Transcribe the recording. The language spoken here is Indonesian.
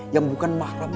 yang bukan mahramnya